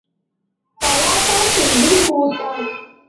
கலாட்டா செய்யும் கூட்டம்!